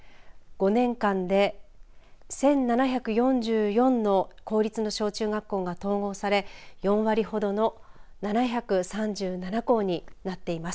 ５年間で１７４４の公立の小中学校が統合され４割ほどの７３７校になっています。